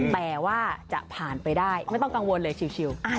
แปลว่าจะผ่านไปได้ไม่ต้องกังวลเลยชีวิตชีวิต